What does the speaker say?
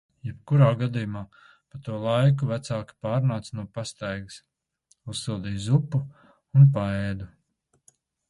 Jebkurā gadījumā pa to laiku vecāki pārnāca no pastaigas. Uzsildīju zupu un paēdu.